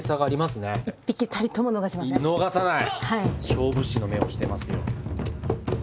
勝負師の目をしてますよ。